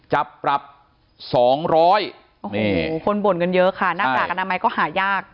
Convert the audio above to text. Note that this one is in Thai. จับปรับ๒๐๐คนบ่นกันเยอะค่ะหน้ากากอนามัยก็หายาก